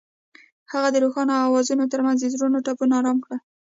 هغې د روښانه اوازونو ترڅنګ د زړونو ټپونه آرام کړل.